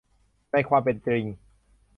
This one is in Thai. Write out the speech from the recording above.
ในความเป็นจริง